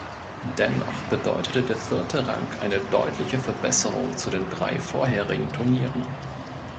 Dennoch bedeutete der vierte Rang eine deutliche Verbesserung zu den drei vorherigen Turnieren.